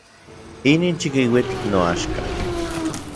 Inin chikiuitl noaxka.